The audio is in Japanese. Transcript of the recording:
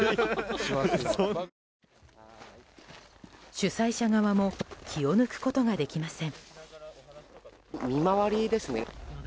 主催者側も気を抜くことができません。